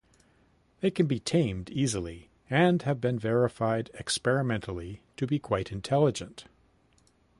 They can be tamed easily, and have been verified experimentally to be quite intelligent.